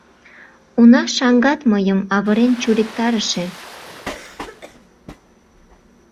Уна шаҥгат мыйым авырен чуриктарыше.